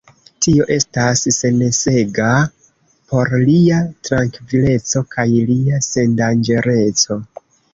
Tio estis necesega por lia trankvileco kaj lia sendanĝereco.